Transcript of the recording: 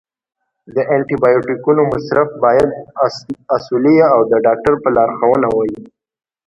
د انټي بیوټیکونو مصرف باید اصولي او د ډاکټر په لارښوونه وي.